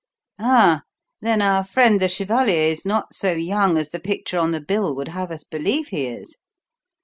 "Ah, then our friend the chevalier is not so young as the picture on the bill would have us believe he is."